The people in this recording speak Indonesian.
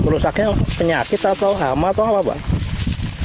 rusaknya penyakit atau hama atau apa pak